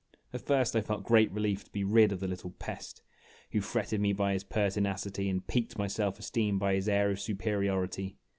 At first I felt great relief to be rid of the little pest, who fretted me by his pertinacity and piqued my self esteem by his air of superiority.